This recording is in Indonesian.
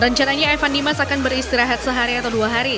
rencananya evan dimas akan beristirahat sehari atau dua hari